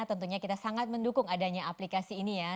tentunya kita sangat mendukung adanya aplikasi ini ya